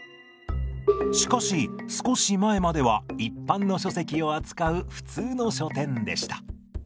しかし少し前までは一般の書籍を扱う普通の書店でした。